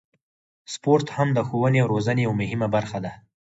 سپورت هم د ښوونې او روزنې یوه مهمه برخه ده.